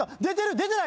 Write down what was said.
出てない？